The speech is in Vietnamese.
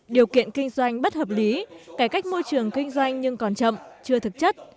điều kiện kinh doanh bất hợp lý cải cách môi trường kinh doanh nhưng còn chậm chưa thực chất